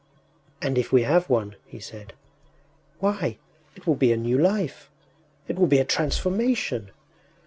“And if we have won,” he said “why, it will be a new life, it will be a transformation!